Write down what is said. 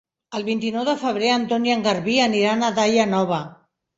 El vint-i-nou de febrer en Ton i en Garbí aniran a Daia Nova.